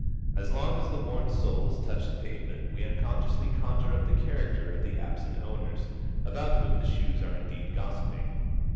As long as the worn soles touch the pavement, we unconsciously conjure up the character of the absent owners, about whom the shoes are indeed gossiping.